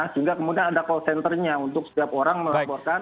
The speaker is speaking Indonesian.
sehingga kemudian ada call centernya untuk setiap orang melaporkan